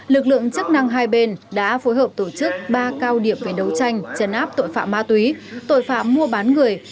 lực lượng chức năng hai bên đã phối hợp tổ chức ba cao điểm về đấu tranh chấn áp tội phạm ma túy tội phạm mua bán người